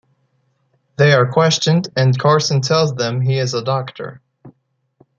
They are questioned and Carson tells them he is a doctor.